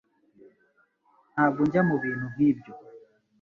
Ntabwo njya mubintu nkibyo